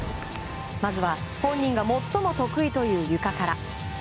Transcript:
まずは本人が最も得意という、ゆかから。